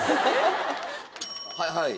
はいはい。